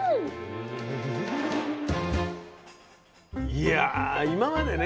いや今までね